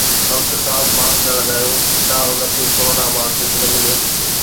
Doctor صاحب mask نه لڳايو، ڇا هن کي ڪرونا مان ڪجهه نه مليو؟